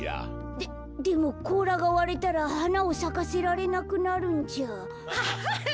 ででもこうらがわれたらはなをさかせられなくなるんじゃ。